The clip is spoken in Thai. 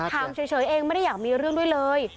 ถามเฉยเองไม่ได้อยากมีเรื่องด้วยเลย